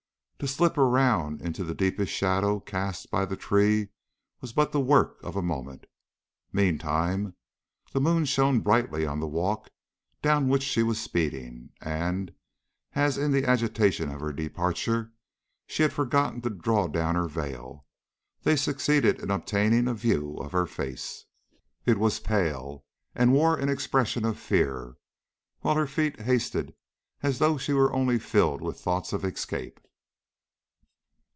To slip around into the deepest shadow cast by the tree was but the work of a moment. Meantime, the moon shone brightly on the walk down which she was speeding, and as, in the agitation of her departure, she had forgotten to draw down her veil, they succeeded in obtaining a view of her face. It was pale, and wore an expression of fear, while her feet hasted as though she were only filled with thoughts of escape.